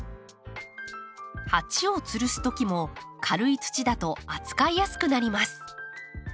鉢をつるすときも軽い土だと扱いやすくなります。